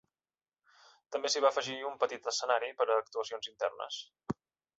També s'hi va afegir un petit escenari per a actuacions internes.